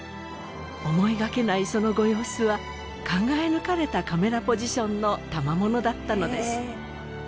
思いがけないそのご様子は考え抜かれたカメラポジションのたまものだったのです